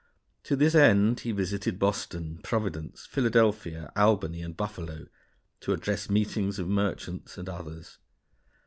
To this end he visited Boston, Providence, Philadelphia, Albany, and Buffalo, to address meetings of merchants and others.